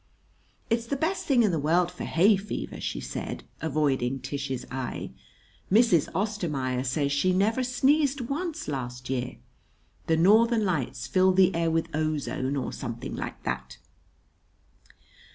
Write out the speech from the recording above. "It's the best thing in the world for hay fever," she said, avoiding Tish's eye. "Mrs. Ostermaier says she never sneezed once last year. The Northern Lights fill the air with ozone, or something like that."